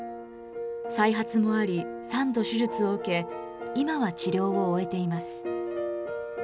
再発もあり、３度手術を受け、今は治療を終えています。